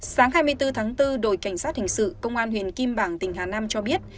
sáng hai mươi bốn tháng bốn đội cảnh sát hình sự công an huyện kim bảng tỉnh hà nam cho biết